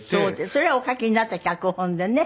それはお書きになった脚本でね。